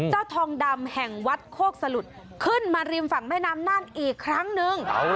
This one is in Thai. ทองดำแห่งวัดโคกสลุดขึ้นมาริมฝั่งแม่น้ำนั่นอีกครั้งนึง